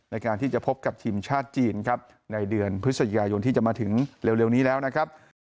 ในการที่จะพบกับทีมชาติจีนครับในเดือนพฤศจิกายนที่จะมาถึงเร็วนี้แล้วนะครับ